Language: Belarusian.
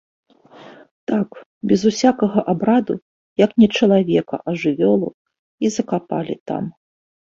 Так, без усякага абраду, як не чалавека, а жывёлу, і закапалі там.